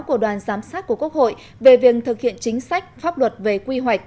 của đoàn giám sát của quốc hội về việc thực hiện chính sách pháp luật về quy hoạch